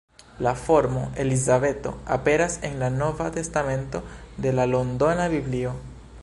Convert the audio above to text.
La formo Elizabeto aperas en la Nova testamento de la Londona Biblio.